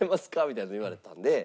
みたいなのを言われたんで。